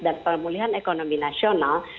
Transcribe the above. dan pemulihan ekonomi nasional